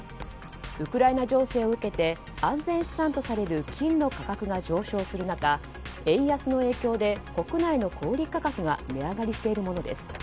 ウクライナ情勢を受けて安全資産とされる金の価格が上昇する中円安の影響で国内の小売価格が値上がりしているものです。